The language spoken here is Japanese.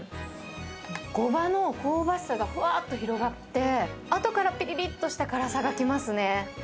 ごまの香ばしさがふわっと広がって、後からぴりりっとした辛さがきますね。